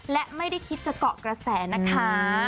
และไม่ได้คิดจะเกาะกระแสนะคะ